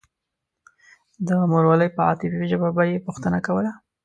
د مورولۍ په عاطفي ژبه به يې پوښتنه کوله.